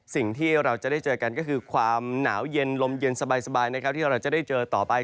สิ่งที่เราจะได้เจอกันก็คือความหนาวเย็นลมเย็นสบายนะครับที่เราจะได้เจอต่อไป